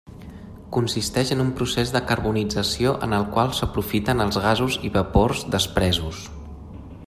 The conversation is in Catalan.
Consisteix en un procés de carbonització en el qual s'aprofiten els gasos i vapors despresos.